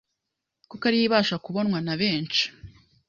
kuko ariyo ibasha kubonwa na benshi